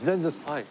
はい。